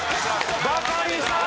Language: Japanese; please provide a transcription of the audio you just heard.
バカリさん！